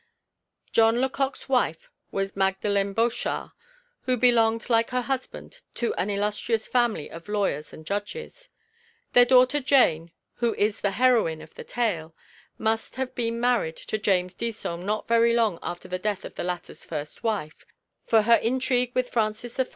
John Lecoq's wife was Magdalen Bochart, who belonged like her husband to an illustrious family of lawyers and judges. Their daughter Jane, who is the heroine of the tale, must have been married to James Disome not very long after the death of the latter's first wife, for her intrigue with Francis I.